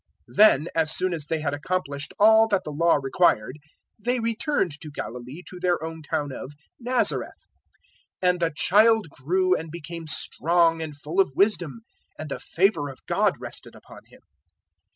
002:039 Then, as soon as they had accomplished all that the Law required, they returned to Galilee to their own town of Nazareth. 002:040 And the child grew and became strong and full of wisdom, and the favour of God rested upon Him.